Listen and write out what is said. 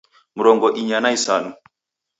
Mrongo inya na isanu